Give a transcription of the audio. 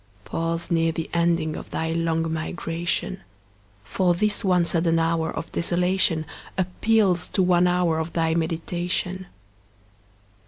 Pause near the ending of thy long migration; For this one sudden hour of desolation Appeals to one hour of thy meditation.